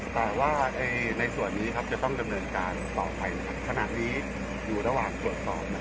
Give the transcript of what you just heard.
แต่ว่าในส่วนนี้จะต้องการต่อไปขนาดนี้อยู่ระหว่างส่วนสอบนะครับ